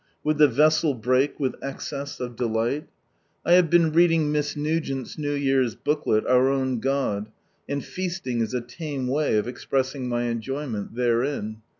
Would the vessel break with excess of delight? 1 have been reading Miss Nugent's New Year's Booklet, " Our Own God "; and fcailing is a tame way of expressing my enjoyment therein.